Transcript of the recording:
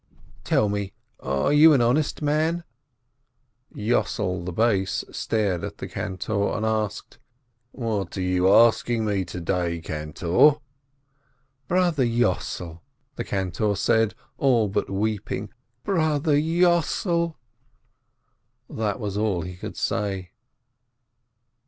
"Tell me, are you an honest man?" Yossel "bass" stared at the cantor, and asked : "What are you asking me to day, cantor?" "Brother Yossel," the cantor said, all but weeping. "Brother Yossel !" That was all he could say.